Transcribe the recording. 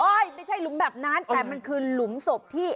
ไม่ใช่หลุมแบบนั้นแต่มันคือหลุมศพที่